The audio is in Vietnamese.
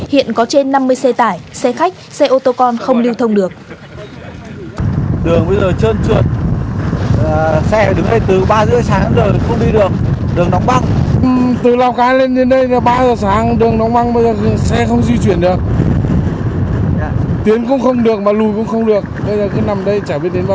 hiện có trên năm mươi xe tải xe khách xe ô tô con không lưu thông được